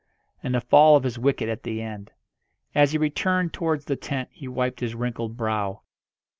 and the fall of his wicket at the end. As he returned towards the tent he wiped his wrinkled brow.